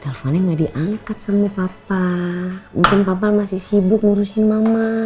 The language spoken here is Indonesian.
teleponnya nggak diangkat sama papa mungkin papa masih sibuk ngurusin mama